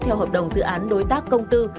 theo hợp đồng dự án đối tác công tư